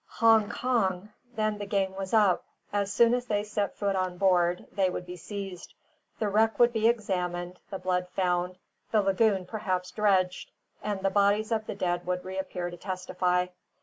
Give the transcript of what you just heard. Hong Kong. Then the game was up; as soon as they set foot on board, they would be seized; the wreck would be examined, the blood found, the lagoon perhaps dredged, and the bodies of the dead would reappear to testify.